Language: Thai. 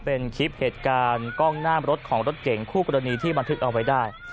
เป็นคลิปเหตุการณ์กล้องหน้ารถของรถเก่งคู่กรณีที่บันทึกเอาไว้ได้